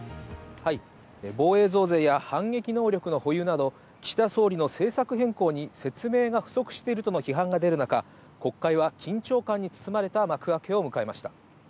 防衛増税や反撃能力の保有など、岸田総理の政策変更に説明が不足しているとの批判が出る中、国会は緊張感に包まれた幕開けを迎えました。